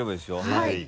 はい。